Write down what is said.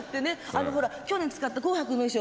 あのほら去年使った「紅白」の衣装